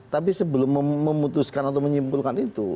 tapi sebelum memutuskan atau menyimpulkan itu